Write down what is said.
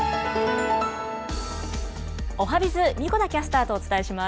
おはＢｉｚ、神子田キャスターとお伝えします。